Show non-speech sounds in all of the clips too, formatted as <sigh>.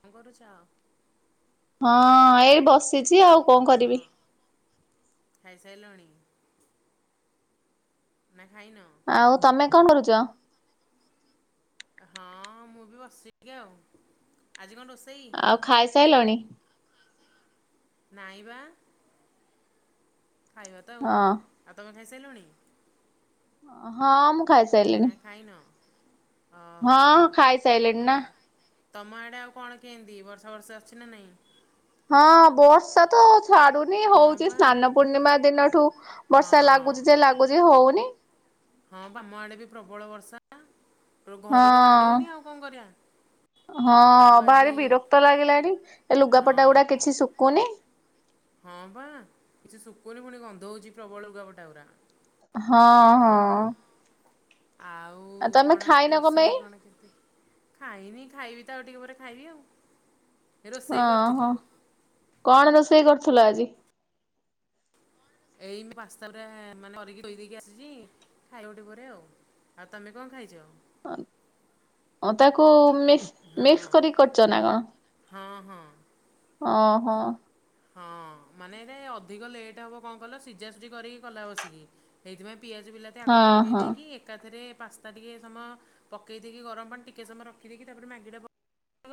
କଁ କରୁଛ? ହଁ ଏଇ ବସିଚି ଆଉ କଁ କରିବି। ଖାଇସାଇଲଣି। ନା ଖାଇନ। ଆଉ ତମେ କଁ କରୁଚ। ହଁ ମୁଁ ବି ବସିଚି ଟିକେ ଆଉ ଆଜି କଁ ରୋଷେଇ। ଆଉ ଖାଇସାଇଲଣି। ନାଇଁ ବା ଖାଇବା ତ ଆଉ ହଁ ଆଉ ତମେ ଖାଇସାଇଲଣି। ଅହଁ ମୁଁ ଖାଇ ନା ଖାଇନ। ହଁ ଓହୋ। ଖାଇସାଇଲିଣୀ ନା। ତମ ଆଡ଼େ ଆଉ କଣ କେନ୍ତି ବର୍ଷା ବର୍ଷା ଅଛି ନା ନାଇଁ। ହଁ ବର୍ଷା ତ ଛାଡୁନି ହଁ ହୋଉଚି ବା ସ୍ନାନପୂର୍ଣ୍ଣିମା ଦିନଠୁ। ବର୍ଷା ହଁ ଲାଗୁଚି ଯେ ଲାଗୁଚି ହୋଉନି। ହଁ ପା ଆମ ଆଡେ ବି ପ୍ରବଳ ବର୍ଷା। ଘରୁ ତ ବାହାରି ହଁ ହୋଉନି ଆଉ କଁ କରିବା। ହଁ ଆଉ ଆଜି ଭାରି ବିରକ୍ତ ଲାଗିଲାଣି ଏ ହଁ ଲୁଗାପଟା ଗୁଡା କିଛି ଶୁଖୁନି। ହଁ ବା କିଛି ଶୁକୁନି ପୁଣି ଗନ୍ଧ ହୋଉଚି ପ୍ରବଳ ଲୁଗାପଟା ଗୁରା। ହଁ। ହଁ। ସେୟାବା, ଆଉ ତମେ କଣ ଖାଇନ ପାଇଁ? ରୋଷେଇ କଣ କେମିତି ଖାଇନି ଖାଇବି ତ ଆଉ ଟିକେ ପରେ ଖାଇବି ଆଉ। ରୋଷେଇ ଓହୋ କରିଥିଲି କଣ ରୋଷେଇ କରୁଥିଲ ଆଜି? ଏଇନେ ପାସ୍ତା <unintelligible> ମାନେ କରିକି ଥୋଇଦେଇକି ଦେଇକି ଆସିଚି ଖାଇଵି ଆଉ ଟିକିଏ ପରେ ଆଉ। ଆଉ ତମେ କଣ ଖାଇଚ? ହଁ ତାକୁ ମିକ୍ସ ହଁ ମିକ୍ସ କରି କରିଚ ନା କଣ? ହଁ ହଁ। ଓହୋ। ହଁ ମାନେ ଏରା ଅଧିକ ଲେଟ୍ ହବ କଣ କଲ ସିଝାସଝି କରିକି କଲା ବସିକି। ସେଇଥିପାଇଁ ପିଆଜ ବିଲାତି ଆଗ ହଁ ପକେଇ ହଁ ଦେଇକି ଏକାଥରେ ପାସ୍ତା ଟିକେ ସମୟ ପକେଇ ଦେଇେକି ଗରମ ପାଣି ଟିକେଏ ସମୟ ରଖିଦେଇକି ତାପରେ <unintelligible> <unintelligible>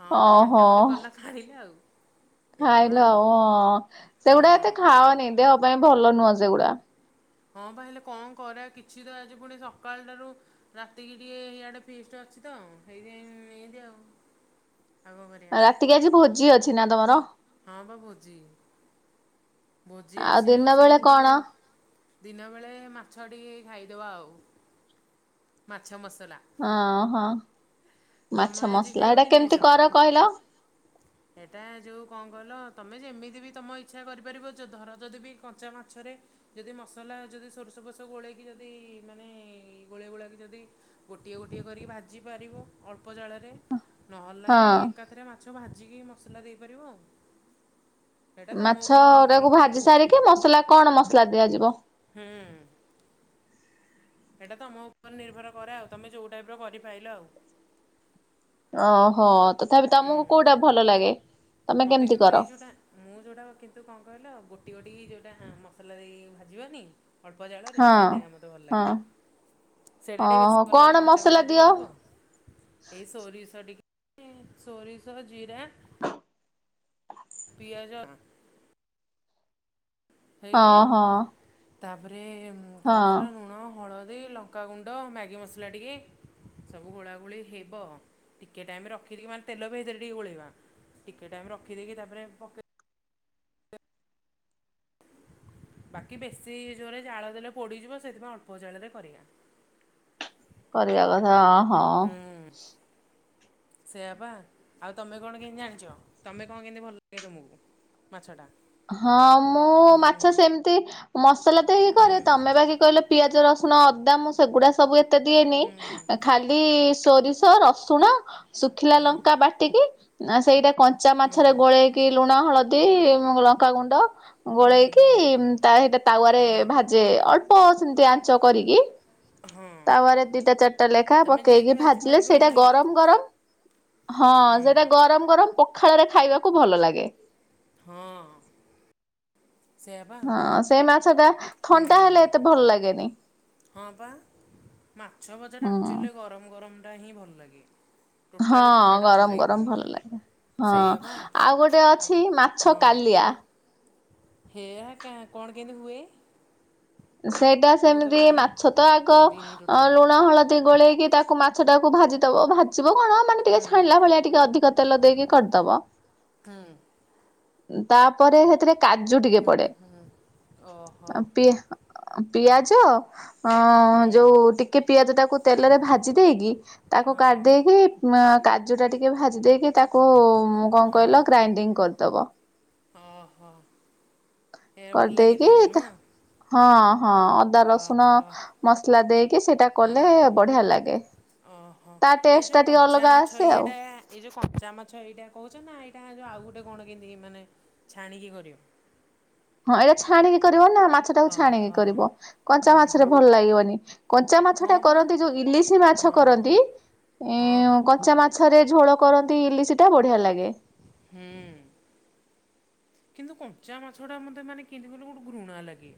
ହଁ ଖାଲି ଓହୋ ଘାଣ୍ଟା ଘୁଣ୍ଟି କଲା ଖାଇଲ ଆଉ। ସେଇଆ ବା ଖାଇଲ ଆଉ ହ ସେଗୁଡା ଏତେ ହଁ। ଖାଅନି ଦେହ ପାଇଁ ଭଲ ନୁହଁ ସେଗୁଡା। ହଁ ବା ହେଲେ କଣ କରା କିଛି ତ ଆଜି ପୁଣି ସକାଳ ଠୁ ରାତିକି ଟିକେଏ ଆଡେ ଫିଷ୍ଟ ଅଛି ତ ହେଇଥି ପାଇଁ ଇଁତି ଆଉ ପାଗ କରିବା। ଟିକେ ଆଜି ଭୋଜି ଅଛି ନା ତମର? ହଁ ପା ଭୋଜି। ଭୋଜି ଆଉ ଅଛି ଦିନ ଯୋଉଁ ବେଳେ କଣ ସେଇଥିପାଇଁ ଦିନବେଳେ ମାଛ ଟିକେ ଖାଇଦେବା ଆଉ ମାଛ ମସଲା। ଓଁହଁ ତମେ ମାଛ ଆଜି ମସଲା ଏଇଟା ଖାଇବନି କେମିତି କର କହିଲ? ଏଟା ଯୋଉ କଣ କଲ ତମେ ଯେମିତି ବି ତମ ଇଚ୍ଛା କରିପାରିବ। ଧର ଯଦି ବି କଞ୍ଚା ମାଛରେ ଯଦି ମସଲା ଯଦି ସୋରିଷ ଫୋଷ ଗୋଳେଇକି ଯଦି ମାନେ ଗୋଳେଇ ଗୋଳେଇକି ଯଦି ଗୋଟିଏ ଗୋଟିଏ କରିକି ଭାଜିପାରିବ ଅଳ୍ପ ଜାଳରେ। ନହେଲେ ନାହିଁ ହଁ ଏକାଥରେ ମାଛ ଭାଜିକି ମସଲା ଦେଇପାରିବ ଆଉ। ସେଇଟା ତମ ଉପରେ ନିର କୁ ଭାଜି ସାରିକି ମସଲା କଣ ମସଲା ଦିଆଯିବ? ହୁଁ। ଏଇଟା ତୁମ ଉପରେ ନିର୍ଭର କରେ ଆଉ ତୁମ ଯୋଉ ଟାଇପ୍ କରିପାଇଲ ଆଉ। ଓହୋ ତଥାପି ତମକୁ ହୁଁ। କୋଉଟା ଭଲ ଲାଗେ? ତମେ ମୋତେ କେମିତି କିନ୍ତୁ କର ଏଇ ଏଇଟା ମୁଁ ଯେଉଁଟା କିନ୍ତୁ କଣ କହିଲ ଗୋଟି ଗୋଟି ଯେଉଁଟା ମସଲା ଦେଇ ଭାଜିବନି ଅଳ୍ପ ଜାଳରେ ସେଇଟା ହଁ ମୋତେ ଭଲ ଲାଗେ। ସେଇଟା ଟିକେ ବେଶୀ ଓହୋ ଭଲ ଲାଗେ କଣ କଞ୍ଚା ମସଲା କଞ୍ଚା ଟିକେ ଦିଅ? ଥିବ। ଏଇ ସୋରିଷ ଟିକେ ସୋରିଷ ଜିରା। ପିଆଜ ହଁ ହଁ <unintelligible> ତାପରେ କଣ ହଁ କିଲ ଲୁଣ ହଳଦୀ ଲ ଲଙ୍କାଗୁଣ୍ଡ ମ୍ୟାଗି ମସଲା ଟିକେ। ସବୁ ଗୋଳା ଗୋଳି ହେବ ଟିକେ ଟାଇମରେ ରଖିକି ମାନେ ତେଲ ବି ଭରେ ଟିକେ ଗୋଳେଇିବା। ଟିକେ ଟାଇମ ରଖିଦକି ତାପରେ ପକେ ବାକି ବେଶୀ ଜୋରେ ଜାଳ ଦେଲେ ପୋଡିଯିବ ସେଥିପାଇଁ ଅଳ୍ପ ଜାଳରେ କରିବା। କରିବା କଥା ହଁ ହଁ। ହଁ। ସେଇୟଆ ପା ଆଉ ତମେ କଣ କେମତି ଜାଣିଚ ତମେ କଣ କେମିତି ଭଲ ଲାଗେ ତମକୁ? ମାଛ ହଁ ମୁଁ ମାଛ ସେମିତି ମସଲା ତ ଇ ହୁଁ କରେ ତମେ ବାକି କହିଲ ପିଆଜ ରସୁଣ ଅଦା ମୁଁ ସେଗୁଡା ସବୁ ଏତେ ଦିଏନି ଖାଲି ସୋରିଷ ରସୁଣ ଶୁଖିଲା ଲଙ୍କା ବାଟିକି ଆ ସେଇଟା କଞ୍ଚା ହୁଁ ମାଛରେ ଗୋଳେଇକି ଲୁଣ ହଳଦୀ ଲଙ୍କାଗୁଣ୍ଡ ହୁଁ ଗୋଳେଇକି ହୁଁ ତା ସହିତ ତାୱରେ ଭାଜେ ଅଳ୍ପ ସେମିତି ଆଞ୍ଚ କରିକି। ତାୱାରେ ଦିଟା ଚାରିଟା ଲେଖା ତମେ ଯେମିତି ପକେଇକି ଭାଜି ଭାଜିଲେ ପାରିବ ଆଉ ସେଇଟା ନାଇଁ କି? ଗରମ ଗରମ ହଁ ହୁଁ ସେଇଟା ଗରମ ଗରମ ପଖାଳରେ ଖାଇବାକୁ ଭଲ ଲାଗେ। ହଁ। ସେଇଆ ପା ହଁ ସେ ମାଛଟା ଥଣ୍ଡା ହୁଁ ହୁଁ ହେଲେ ଏତେ ଭଲ ଲାଗେନି। ହଁ ପା ମାଛ ଭଜାଟା ହୁଁ ଆକଚ୍ୟୁଲ ରେ ଗରମ ଗରମଟା ହିଁ ଭଲ ଲାଗେ। ହଁ ଟୋଟାଲି ଥଣ୍ଡାଟା ଭଲ ଗରମ ଗରମ ଲାଗିବନି ଭଲ ଲାଗେ। ହଁ ସେଇଆ ପା। ଆଉ ଗୋଟେ ଆଉ ଅଛି ମାଛ କାଲିଆ। ହେଆ କା କଣ କେମିତି ହୁଏ। ସେଇଟା ମୁଁ ତ ସେମିତି କାହିଁ ମାଛତ ଆଗ କରିନି ଟୋଟାଲି ଲୁଣ ହଳଦୀ ଗୋଳେଇକି ତା ତାକୁ ମାଛ ଟାକୁ ଭାଜିଦବ ଭାଜିବ କଣ ମାନେ ହୁଁ ଟିକେ ଛାଣିଲା ଭଳିଆ ଟିକେ ଅଧିକ ତେଲ ଦେଇକି କରିଦବ। ହୁଁ ତାପରେ ହେଥିରେ କାଜୁ ଟିକେ ପଡେ ଓହୋ ପି ହଁ ପିଆଜ ଅ ହୁଁ ଯୋଉ ଟିକେ ପିଆଜ ଟାକୁ ତେଲରେ ଭାଜି ଦେଇକି। ତାକୁ କାଢି ହଁ। ଦେଇେଇକି କାଜୁ ଟା ଟିକେ ଭାଜି ଦେଇକି ତା କୁ ମୁଁ କଣ କହିଲ ଗ୍ରାଇଣ୍ଡିଙ୍ଗ କରିଦେବ। ଅ ହ। କରିଦେଇକି ହଁ ହଁ ଅଦା ରସୁଣ ଓହୋ ମସଲା ଦେଇକି ସେଇଟା କଲେ ବଢିଆ ଲାଗେ। ଓହୋ ତା ଏଇ ଟେଷ୍ଟ ଯୋଉ ଟା ଟିକେ କଞ୍ଚା ଅଲଗା ମାଛ ଆସେ ଆଉ। ଇଏଟା ଏଇ ଯୋଉ କଞ୍ଚା ମାଛ ଏଇଟା କହୁଚ ନା ଏଇଟା ଯୋଉ ଆଉ ଗୋଟେ କଣ କେମିତି ମାନେ ଛାଣିକି କରିବ। ହଁ ଏଇଟା ଛାଣିକି କରିବ ନା ମାଛ ଟାକୁ ଛାଣିକି ଓହୋ କରିବ କଞ୍ଚା ଉଁ ମାଛରେ ହୁଁ ଭଲ ଲାଗିବନି। କଞ୍ଚା ହଁ ମାଛଟା ପା କରନ୍ତି ଯୋଉ ଇଲିଶି ମାଛ ହଁ କରନ୍ତି ହଁ ଇଁ ହଁ କଞ୍ଚା ମା ମାଛରେ ଝୋଳ କରନ୍ତି ଇଲିଶିଟା ବଢିଆ ଲାଗେ। ହୁଁ। କିନ୍ତୁ କଞ୍ଚା ମାଛଟା ମୋତେ ମାନେ କେମିତି କହିଲ ଗୋଟେ ଘୃଣା ଲାଗେ।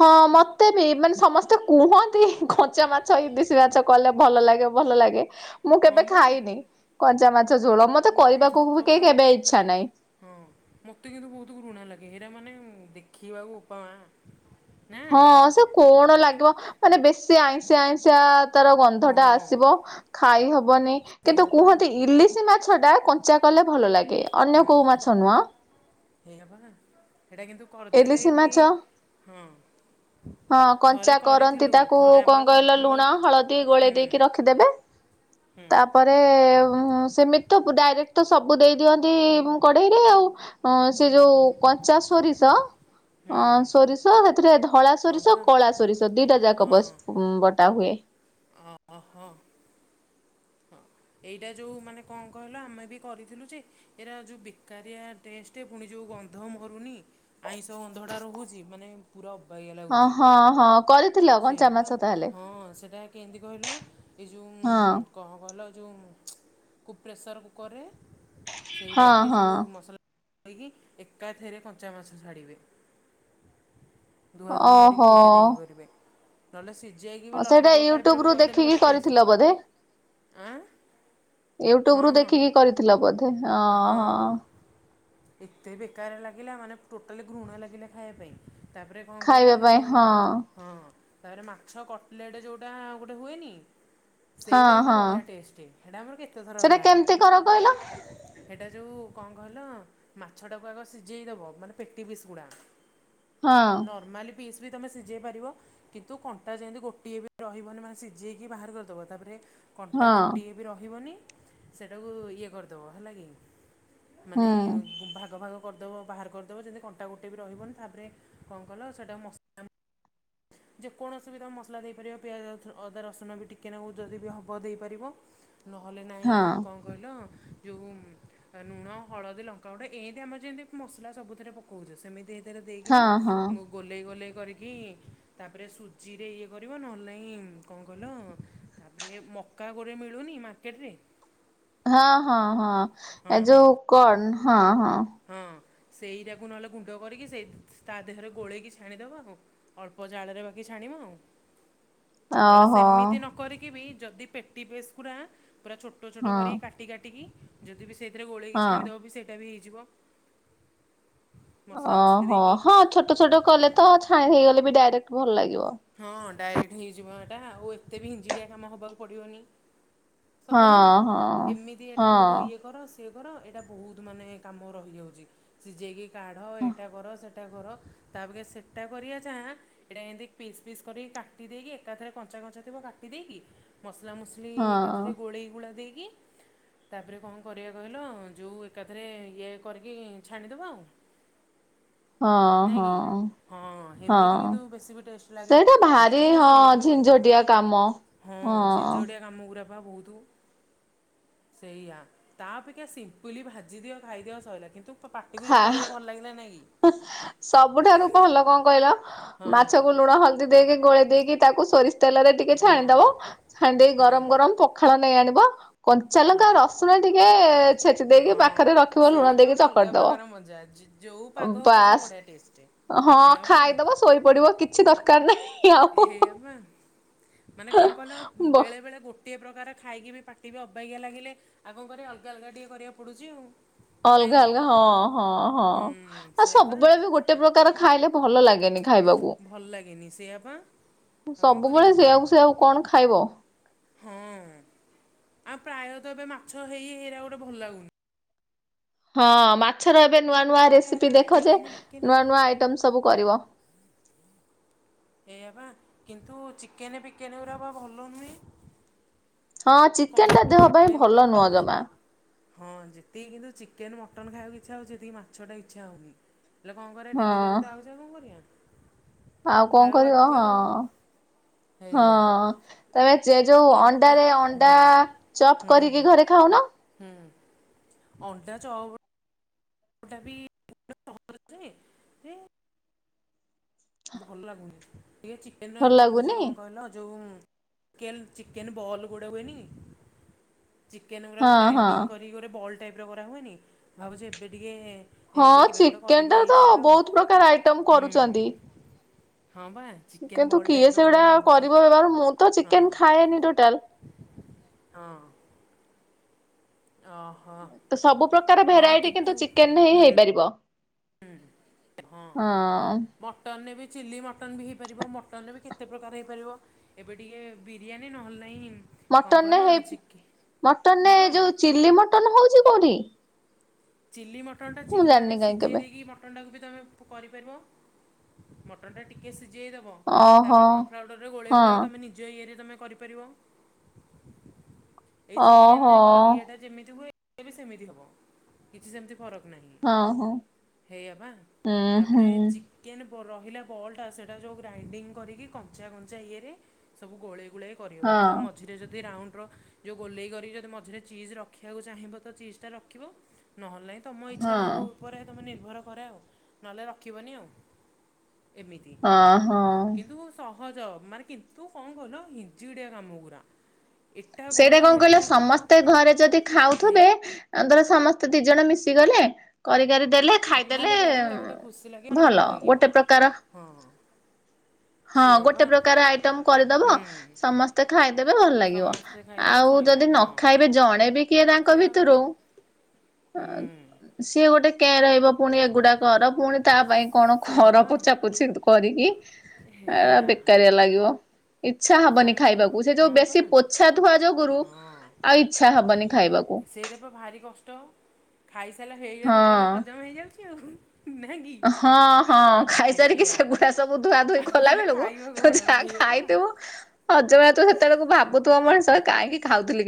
ହଁ ମତେ ବି ମାନେ ସମସ୍ତେ କୁହନ୍ତି କଞ୍ଚା ମାଛ ଇଲିଶି ମାଛ କଲେ ଭଲ ଲାଗେ ଭଲ ଲାଗେ। ମୁଁ ହଁ କେବେ ବା ଖାଇନି କଞ୍ଚା ମାଛ ମ ଝୋଳ ମତେ ମାନେ କରିବାକୁ ସତ ବି କଥା କେହି କେବେ ମୋତେ ଇଚ୍ଛା ନାହିଁ। ହଁ ମତେ କିନ୍ତୁ ବୋହୁତ ଘୃଣା ଲାଗେ ହେରା ମାନେ ଦେଖିବାକୁ ବୋପା ମାଁ ହଁ ସେ କଣ ଲାଗିବ ମାନେ ବେଶୀ ଆଇଁଷିଆ ଆଇଁଷିଆ ତାର ଗନ୍ଧଟା ହଁ ଆସିବ ଖାଇ ହବନି। ସେଇଆ କିନ୍ତୁ ବା କୁହନ୍ତି ଇଲିଶି ମାଛଟା କ ଞ୍ଚା କଲେ ଭଲ ଲାଗେ ଅନ୍ୟ କେଉଁ ମାଛ ନୁହଁ। ହେଇପା ହେଟା କିନ୍ତୁ କରିଦେଲେ ଇଲିଶି ବି ମାଛ ହଁ। ହଁ ଥରେ କଞ୍ଚା କରନ୍ତି କରିଥିଲୁ ତାକୁ ଥରେ ଆମର କଣ କହିଲ କରିଥିଲୁ ଲୁଣ ହଳଦୀ ହୁଁ ଗୋଳେଇ ଦେଇକି ରଖିଦେବେ। ହୁଁ। ତାପରେ ସେମିତ ତ ଡାଇରେକ୍ଟ ତ ସବୁ ଦେଇଦିଅନ୍ତି କଢେଇରେ ଆଉ। ହଁ ସେ ଯୋଉ କଞ୍ଚା ସୋରି ହୁଁ ହଁ ସୋରିଷ ହେଥିରେ ଧଳା ହଁ ସୋରିଷ ବା କଳା ସୋରିଷ ଦିଇଟା ଯାକ ବସ ବଟା ହୁଏ। ଓ ଓ ହ। ହଁ ଏଇଟା ଯୋଉ ମାନେ କଣ କହିଲ ଆମେ ବି କରିଥିଲୁ ଯେ ଏରା ଯୋଉ ବେକାରିଆ ଟେଷ୍ଟ ପୁଣି ଯୋଉ ଗନ୍ଧ ମରୁନି ଆଇଁଷ ଗନ୍ଧଟା ରହୁଚି ମାନେ ପୁରା ଅବାଗିଆ ହଁ ଲାଗୁଚି। ହଁ ହଁ କରିଥିଲ। କଞ୍ଚା ସେଇପା ମାଛ ତାହେଲେ ହଁ ସେଇଟା କେମିତି କହିଲ ଏ ହଁ ଯୋଉଁ କଣ କହିଲ ଯୋଉଁ ପ୍ରେସର କୁକରରେ ହଁ ସେଇଟାରେ ହଁ। ଯୋଉ ମସଲା କହିକି ଏକାଥରେ କଞ୍ଚା ମାଛ ଛାଡ଼ିବେ ଧୁଆଧୁହି କରିକି ଓହୋ ହେଥିରେ ଇଏ କରିବେ ନହେଲେ ସିଝାଇକି ବି ସେଇଟା ଲଲିପପ୍ ଟାଇପ୍ରେ ବି ୟୁଟ୍ୟୁବରୁ କରିଦେଲେ ଦେଖିକି ବଢ଼ିଆ କରିଥିଲ ଟେଷ୍ଟ ବୋଧେ? ଆଁ ୟୁଟ୍ୟୁବ ହଁ ରୁ ଦେଖିକି ହଁ କରିଥିଲ ବୋଧେ ଅହ ହଁ ଏତେ ବେକାର ଲାଗିଲା ମାନେ ଟୋଟାଲି ଘୃଣା ଲାଗିଲା ଖାଇବା ପାଇଁ ତାପରେ କ ଣ ଖାଇବା କହିଲ ଏଇ ପାଇଁ ଯେଉଁ ହଁ ହଁ ତାପରେ ମାଛ କଟଲେଟ୍ ଯେଉଁଟା ଗୋଟେ ହୁଏନି ସେଇଟା ହଁ କିନ୍ତୁ ହଁ। ବଢ଼ିଆ ଟେଷ୍ଟ ସେଇଟା ଆମର କେତେଥର ସେଟା ହେଲାଣି କେମିତି କର କହିଲ? ହେଟା ଯୋଉ କଣ କହିଲ ମାଛଟାକୁ ଆଗ ସିଝେଇଦବ ମାନେ ପେଟି ପିସ ଗୁଡ଼ା ହଁ ନର୍ମାଲି ପିସ୍ ବି ତମେ ସିଝେଇ ପାରିବ କିନ୍ତୁ କଣ୍ଟା ଯେମିତି ଗୋଟିଏ ବି ରହିବନି ମାନେ ସିଝେଇକି ବାହାର କରିଦବ ତାପରେ କଣ୍ଟା ହଁ ଗୋଟିଏ ବି ରହିବନି ସେଇଟାକୁ ଇଏ କରିଦେବ ହେଲା କିି ମାନେ ହୁଁ। ଗୁ ଭାଗ ଭାଗ କରିଦେବ ବାହାର କରିଦେବ ଯେମିତି କଣ୍ଟା ଗୋଟେ ବି ରହିବନି ତାପରେ କଣ କଲ ସେଇଟା ମସଲା ଯେକୌଣସି ବି ତା ମସଲା ଦେଇପାରିବ ପିଆଜ ଅଦା ରସୁଣ ବି ଟିକିଏ ନେଉ ଯଦି ବି ହେବ ବ ଦେଇପାରିବ ନହେଲେ ନାହିଁ ହଁ କଣ କହିଲ ଯେଉଁ ଲୁଣ ହଳଦୀ ଲଙ୍କାଗୁଡା ଏତି ଆମର ଯେମିତି ମସଲା ସବୁଥିରେ ପକଉଛେ ସେମିତି ରେ ହଁ ଦେଇକିନି ହଁ ମୁଁ ଗୋଲେଇ ଗୋଲେଇ କରିକି ତାପରେ ସୁଜିରେ ଇଏ କରିବ ନହେଲେ ନାଇ କଣ କଲ। ତାପରେ ମକା ଗୋଟେ ମିଳୁନି ମାର୍କେଟରେ ହଁ ହଁ ହଁ ହଁ ଏ ହଁ ଯୋଉ କଣ ହଁ ହଁ ହଁ ସେଇରାକୁ ନହେଲେ ଗୁଣ୍ଡ କରିକି ସେଇ ତା ଦେହରେ ଗୋଳେଇକି ଛାଣିଦେବା ଆଉ ଅଳ୍ପ ଜାଳରେ ବାକି ଛାଣିବ ଆଉ ନହେଲେ ଓହୋ ସେମିତି ନ କରିକି ବି ଯଦି ପେଟି ପେସେକୁରା ପୁରା ଛୋଟ ଛୋଟ ହଁ କରିକି କାଟି କାଟି କାଟିକି ଯଦି ବି ସେଥିରେ ଗୋଳେଇକି ହଁ ଛାଣିଦେବ ବି ସେଇଟା ବି ହେଇଯିବ ମସଲା ମସଲି ଓହୋ ଦେଇକି ହଁ ଛୋଟ ଛୋଟ କଲେ ତ ଛାଆ ହେଇଗଲେ ବି ଡାଇରେକ୍ଟ ଭଲ ଲାଗିବ ହଁ ଡାଇରେକ୍ଟ ହେଇଯିବ ଏଟା ଆଉ ଏତେ ବି ହିଜିଡିଆ କାମ ହବାକୁ ପଡିବନି ସତ ନୁହଁ ହଁ ହଁ ଏମିତି ହଁ ଏଟାକୁୁ ଇଏ କରସ ତେ କର ଏଇଟା ବହୁତ ମାନେ କାମ ରହିଯାଉଛି ସି ଯାଇକି କାଢ଼ ଏଇଟା କର ସେଇଟା କର ତାପଖେ ସେଟା କରିବା ଚାଁ ଏଇଟା ଏମିତି ପିସ୍ ପିସ୍ କରିକି କାଟି ଦେଇକି ଏକାଥରେ କଞ୍ଚା କଞ୍ଚା ଥିବ କାଟି ଦେଇକି ମସଲା ମୁସି। ହଁ ଲିଏକାଥରେ ଗୋଳେଇ ଗୁଳା ଦେଇକି ତାପରେ କଣ କରିବା କହିଲ ଯଉ ଏକାଥରେ ଇଏ କରିକି ଛାଣିଦବା ଆଉ ହଁ ନାଇ କି ହଁ ହଁ ଏମିତି ହଁ କିନ୍ତୁ ବେଶୀ ବି ଟେ ଲାଗେ ସେଇଟା ତମେ ଭାରି ଯିଏ ହଁ ଯେମିତି ବି କରିପାରିବ ଝିଞ୍ଝଟିଆ କାମ ହଁ ଝିଝଟିଆ କାମ ୟୁରା ବା ବହୁତ ସେଇଆ ତା ଅପେକ୍ଷା ସିମ୍ପଲି ଭାଜି ଦିଅ ଖାଇଦିଅ ସଇ ଲା କିନ୍ତୁ ତ ପାଟିକୁ ଖା ଯେତେବେଳେ ଭଲ ଲାଗିଲା ନହି କି ସବୁଠାରୁ ଭଲ କଣ କହିଲ କି ହଁ ମାଛକୁ ଲୁଣ ହ ଦି ଦେଇକି ଗୋଳେଇ ଦେଇକି ତାକୁ ସୋରିଷ ତେଲରେ ଟିକେ ହଁ ଛାଣିଦବ ଛାଣି ଦେଇ ହୁଁ ଗରମ ଗରମ ପ ଖାଳ ନେଇ ଆଣିବ ହଁ କଞ୍ଚାଲଙ୍କା ରସୁଣ ଟିକେ ଛେଚି ଦେଇକି ହଁ ପାଖରେ ରଖିବ ଲୁଣ ସେଇଟା ଦେଇକି ଗୋଟେ ଅଲଗା ଚକଟି ଦବ ପ୍ରକାର ମଜା ଯି- ଯୋଉ ଓ ପାଗ ହଉ ପଛେ ବାସ୍ ବଢ଼ିଆ ଟେଷ୍ଟ। ହଁ ହେୟା ପା ଖାଇଦବା ଶୋଇପଡିବ କି କିଛି ଦରକାର ନାହିଁ ଆଉ ହେୟା ପା ମାନେ କଣ କହିଲ ବେଳେ ବେଳେ ଗୋଟିଏ ପ୍ରକାର ଖାଇକି ବି ପାଟି ବି ଅବାକଆ ଲାଗିଲେ ଆଉ କ କରିବା ଅଲଗା ଅଲଗା ଟିକେ କରିବାକୁ ପଡ଼ୁଛି ଆଉ। ନାଇଁ ଅଲଗା କି ଅଲଗା ହଁ, ହଁ, ହୁଁ ହଁ ଆ ସେଇଆ ପା ସବୁବେଳେ ବି ଗୋଟେ ପ୍ରକାର ଖାଇଲେ ଭଲ ଲାଗେନି ଖାଇବାକୁ ଭଲ ଲାଗେନି ସେଇଆ ପା ଆଉ କଣ ସବୁବେଳେ କରିବା ସେଆକୁ ସେଆକୁ କଣ ଖାଇବ। ହଁ ଆଉ ପ୍ରାୟତଃ ଏବେ ମାଛ ହେଇ ହେଇରା ଗୋଟେ ଭଲ ଲାଗୁନି। ହଁ ମାଛର ଏବେ ନୂଆ ନୂଆ ଏରା ରେସିପି ଦେଖ ଯେ ଚିକେନ ଫିକେନ ନୂଆ ନୂଆ ଆଇଟମ ସବୁ କରିବ ଏଇଆ ବା। କିନ୍ତୁ ଚିକେନ ବିକେନ ଗୁରା ବା ଭଲ ନୁହେଁ। ହଁ କଣ ଚିକେନ ଟା ଦେହ ପାଇଁ କହିଲ ଭଲ ନୁହଁ ଜମା। ହଁ ଯେତିକି କିନ୍ତୁ ଚିକେନ ମଟନ ଖାଇବାକୁ ଇଛା ହଉଛି ସେତିକି ମାଛଟା ଇଚ୍ଛା ହଉନି। ହେଲେ କଣ କରିବା ଡେଲି ଡେଲି ହଁ ତ ଆଉଛି ଆଉ କଣ କରିବା? ଆଉ କଣ ଖାଇବାକୁ କରିବ ବାଧ୍ୟ ହଁ ଆଉ ହଁ। ହେଇଆ ତମେ ଚେ ଯୋଉ ଅଣ୍ଡା ଅଣ୍ଡାରେ ଅଣ୍ଡା ଚପ୍ ହୁଁ କରିକି ଘରେ ଖାଉନ। ହୁଁ ଅଣ୍ଡା ଚପ୍ ଗୋଟା ବି ଆଜି ଭଲ ଲାଗୁନି ଟିକେ ଚିକେନ ଭଲ ଏବେ ଭାବୁଛି ଲାଗୁନି କଣ କହିଲ ଯେଉଁ କେନ୍ ଚିକେନ ବଲ୍ ଗୋଡ଼େ ହୁଏନି? ଚିକେନ ଗୁରାକୁ ହଁ ହଁ ଗ୍ରାଇଣ୍ଡିଙ୍ଗ କରିକି ଗୋଟେ ବଲ୍ ଟାଇପ୍ର କରାହୁଏନି ଭାବୁଛି ଏବେ ଟିକେ ହଁ ଏବେ ଏବେ ଗୋଟେ ଚିକେନ କରିବି ଟା ଏଇ ତ ଟାଇପ୍ର ଆଉ। ବହୁତ ପ୍ରକାର ଆଇଟମ ହୁଁ କରୁଛନ୍ତି। ହଁ ବା ଚିକେନ କିନ୍ତୁ ବଲ୍ ଟାଇପ କିଏ ର ଗୋଟେ ସେଗୁଡା ଭାବୁଛି କରିବ ବବାର ମୁଁ ତ ହଁ ଚିକେନ ଖାଏନି ଟୋଟାଲ ହଁ। ଅ। ତ ସବୁ ପ୍ରକାର ଭେରାଇଟି କିନ୍ତୁ ଚିକେନରେ ହିଁ ହେଇପାରିବ। ହୁଁ ଏ ହଁ। ମଟନରେ ବି ଚିଲି ମଟନ୍ ବି ହେଇପାରିବ। ମଟନରେ ବି କେତେ ପ୍ରକାର ହେଇପାରିବ। ଏବେ ଟିକେ ବିରିୟାନୀ ନହେଲେ ନାହିଁ କଣ ମଟନରେ କହିଲ ହେଇ ଚିକେ ମଟନରେ ହଁ ଯୋଉ ଚିଲି ମଟନ ହଉଛି କୋଉଠି? ଚିଲି ମଟନ୍ ଟା ମୁଁ ଚିଲ୍ ମାନେ ଜାଣିନି କାହିଁ ସିଝେଇ କେବେ ଦେଇକି ମ୍ ମଟନ ଟାକୁ ବି ତମେ କରିପାରିବ। ମଟନଟା ଟିକେ ସିଝେଇଦେବ ଓହୋ ତାପରେ କର୍ନଫ୍ଲାଉଡର୍ ରେ ଗୋଳେଇ ହଁ ଗୁଳାକି ତମେ ନି ନିଜ ଇଏ ରେ ତମେ କରିପାରିଵ ଏଇ ଓହୋ। ଚିକେନ ଲ ଇଏଟା ଯେମିତି ହୁଏ ଏଟାବି ସେମିତି ହବ। କିଛି ସେମିତି ଫରକ ନାହିଁ। ହଁ ହଁ ହେଇଆ ପା ହୁଁ ହୁଁ ତାପରେ ଚିକ୍ କେନ୍ତି ବ ରହିଲା ବଲ୍ଟା ସେଇଟା ଯୋଉ ଗ୍ରାଇଣ୍ଡିଙ୍ଗ କରିକି କଞ୍ଚା କଞ୍ଚା ଇଏରେ ସବୁ ଗୋଳେଇ ଗୁଳାକି କରିବ ହଁ ବାକି ତମେ ମ ମଝିରେ ଯଦି ରାଉଣ୍ଡର ଯେଉଁ ଗୋଲେଇକ ଯଦି ମଝିରେ ଚିଜ୍ ରଖିବାକୁ ଚାହିଁବ ତ ଚିଜ ଟା ରଖିବ ନହେଲେ ନାଇ ତମ ଇଚ୍ଛା ଆଉ ହଁ। ଉପରେ ତୁମେ ନିର୍ଭର କରେ ଆଉ ନହେଲେ ରଖିବନି ଆଉ। ଏମିତି ଅହଁ। କିନ୍ତୁ ସହଜ ମାନେ କିନ୍ତୁ କଣ କହୀଲ ହିଞ୍ଜିଡ଼ିଆ କାମଗୁରା। ସେଇଟା କଣ କହିଲ ସମସ୍ତେ ଘରେ ଯଦି ହେଇ ଖାଉଥିବେ ଧର ସମସ୍ତେ ଦି ଜଣ ମିଶିଗଲେ କରିି କରି ଦେଲେ ହଁ ଖାଇଦେଲେ ତାହେଲେ କରିବ ଆଉ ଗୋଟେ ଖୁସି ଲାଗେ ମାନେ ଭଲ ଲାଗିବ। ଗୋଟେ ପ୍ରକାର ହଁ ହଁ ସେଇଆ ବା ଗୋଟେ ପ୍ରକାର ଆଇଟମ କରିଦବ ହୁଁ ସମସ୍ତେ ଖାଇଦେବେ ଭଲ ଲାଗିବ। ସମସ୍ତେ ଖାଇଦେଲେ ଆଉ ସଇଲା ଯଦି ନ ହଁ। ଖାଇବେ ଜଣେ ବି କିଏ ତାଙ୍କ ସେଇଆ ପା ଭିତରୁ ଆଁ ହୁଁ ସିଏ ଗୋଟେ କେଁ ରହିବ ପୁଣି ଏଗୁଡା କର ପୁଣି ତା ପାଇଁ କଣ ସେଇଆ କର ପା ପୋଛା ପୋଛି କରିକି ଏ ହେଇଆ। ବେକାରିଆ ଲାଗିବ ଇଚ୍ଛା ହବନି ସମ୍ ଖାଇବାକୁ। ସେ ଯୋଉ ହଁ ପା ବେଶୀ ହଁ ପୋଛା ଛା ଧୁଆ ଯୋଗୁରୁ ଆଉ ଇଚ୍ଛା ହବନି ଖାଇବାକୁ। ସେଇଟା ପା ଭାରି କଷ୍ଟ ଖାଇସାରିଲା ହେଇଟା ତ ହଁ କଲେ ହଜମ ହେଇଯାଉଛି ଆଉ। ନା କି? ହଁ ହଁ ଖାଇସାରିକି ହେଇଆ ସେଗୁଡା ସବୁ ଧୁଆ ଧୁଇ ଆଉ ତାହେଲେ କଲାବେଳକୁ ଖାଇବ ତୁ କଣ ଯାହା ହେଇଆ ଖାଇ ପା। ଥିବୁ ହଜମ ହେଇଯାଇଥିବ ସେତେବେଳକୁ ଭାବୁଥିବ ମଣିଷ କାହିଁକି ଖାଉଥିଲି କେ